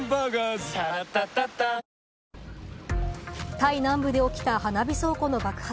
タイ南部で起きた花火倉庫の爆発。